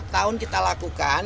tahun kita lakukan